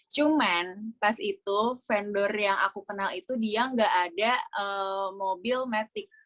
cuman pas itu vendor yang aku kenal itu dia nggak ada mobil matic